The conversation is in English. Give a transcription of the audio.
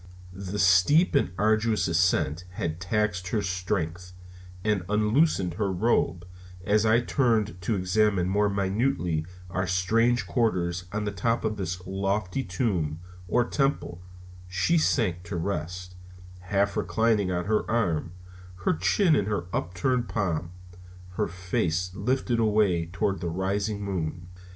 The steep and arduous ascent had taxed her strength, and unloosing her robe as I turned to examine more minutely our strange quarters on the top of this lofty tomb, or temple, she sank to rest, half reclining on her arm, her chin in her upturned palm, her face lifted away toward the rising moon.